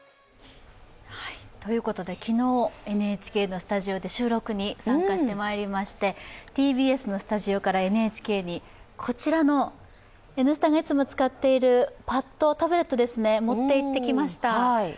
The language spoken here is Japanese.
ということで昨日、ＮＨＫのスタジオで収録に参加してまいりまして、ＴＢＳのスタジオからＮＨＫに、こちらの「Ｎスタ」がいつも使っているパット、タブレットを持っていきました。